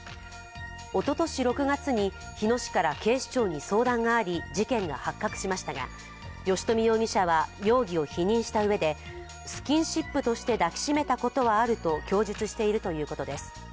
おととし６月に日野市から警視庁に相談があり事件が発覚しましたが、吉冨容疑者は容疑を否認したうえでスキンシップとして抱き締めたことはあると供述しているということです。